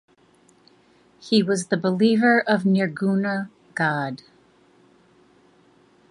He was the believer of Nirguna god.